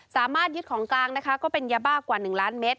สามารถยึดของกลางเป็นยาบากกว่า๑ล้านม